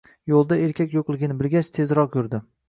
Yo'lda erkak yo'qligini bilgach, tezroq yurdi.